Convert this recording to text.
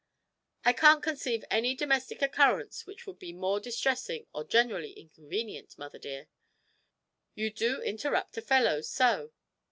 'I can't conceive any domestic occurrence which would be more distressing or generally inconvenient, mother dear. You do interrupt a fellow so!